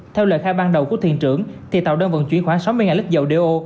theo lời khai ban đầu của thuyền trưởng thì tàu đơn vận chuyển khoảng sáu mươi lít dầu do